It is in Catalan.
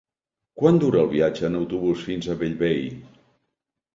Quant dura el viatge en autobús fins a Bellvei?